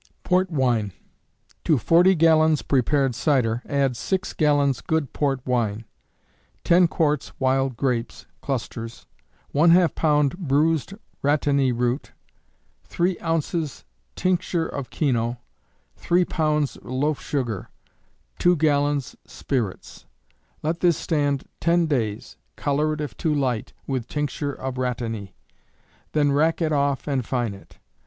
Port Wine. To 40 gallons prepared cider, add, 6 gallons good port wine; 10 quarts wild grapes, (clusters); ½ lb. bruised rhatany root; 3 oz. tincture of kino; 3 lbs. loaf sugar; 2 gallons spirits. Let this stand ten days; color if too light, with tincture of rhatany, then rack it off and fine it.